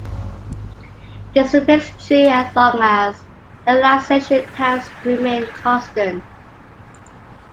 This remains true as long as the relaxation times remain constant.